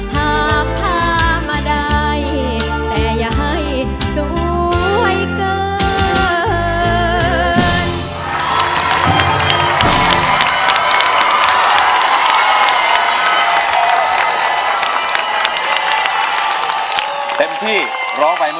หากพามาได้แต่อย่าให้สวยเกิน